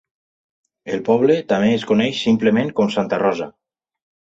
El poble també es coneix simplement com Santa Rosa.